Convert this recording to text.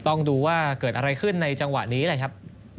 ต้องดูว่าเกิดอะไรขึ้นในจังหวะนี้แหละครับ